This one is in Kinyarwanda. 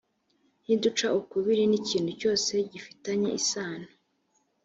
niduca ukubiri n ikintu cyose gifitanye isano